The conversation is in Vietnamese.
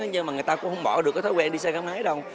nhưng mà người ta cũng không bỏ được cái thói quen đi xe gắn máy đâu